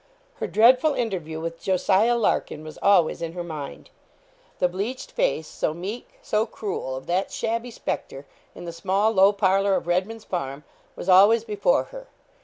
Her dreadful interview with Jos. Larkin was always in her mind. The bleached face, so meek, so cruel, of that shabby spectre, in the small, low parlour of Redman's Farm, was always before her.